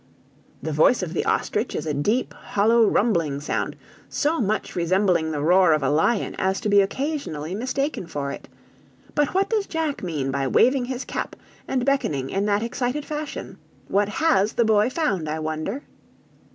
"The voice of the ostrich is a deep, hollow, rumbling sound, so much resembling the roar of a lion as to be occasionally mistaken for it. But what does Jack mean by waving his cap and beckoning in that excited fashion? What has the boy found, I wonder!"